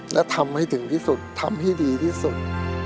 และทำให้ถึงที่สุดทำให้ดีที่สุด